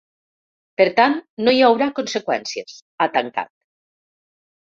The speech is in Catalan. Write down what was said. Per tant, no hi haurà conseqüències, ha tancat.